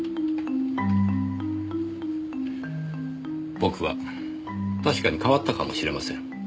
僕は確かに変わったかもしれません。